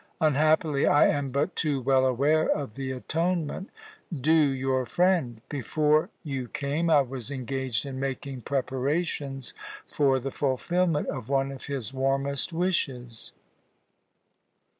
Unhappily, I am but too well aware of the atonement due your friend. Before you came, I was engaged in making preparations for the fulfilment of one of his warmest wishes."